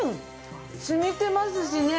染みてますしね。